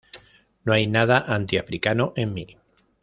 No hay nada anti-africano en mí.